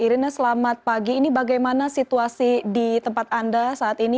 irina selamat pagi ini bagaimana situasi di tempat anda saat ini